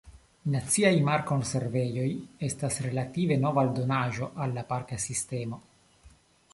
Naciaj Mar-Konservejoj estas relative nova aldonaĵo al la parka sistemo.